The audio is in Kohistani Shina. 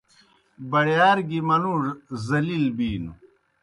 بڑِیار گیْ منُوڙوْ ذلیل بِینوْ۔